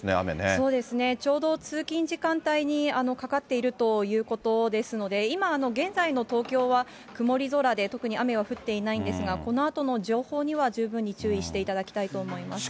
そうですね、ちょうど通勤時間帯にかかっているということですので、今、現在の東京は曇り空で、特に雨は降っていないんですが、このあとの情報には十分に注意していただきたいと思います。